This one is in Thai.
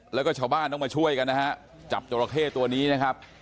แล้วก็ชาวบ้านต้องมาช่วยกันนะฮะจับจราเข้ตัวนี้นะครับ